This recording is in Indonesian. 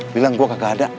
bilang gua kagak ada